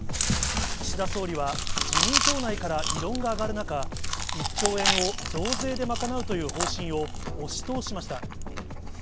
岸田総理は、自民党内から異論が上がる中、１兆円を増税で賄うという方針を押し通しました。